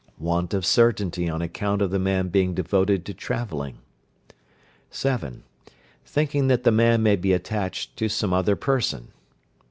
Want of certainty on account of the man being devoted to travelling. 7. Thinking that the man may be attached to some other person.